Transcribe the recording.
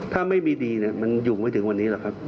ถ้าไม่มีดีมันอยู่ไม่ถึงวันนี้หรอกครับ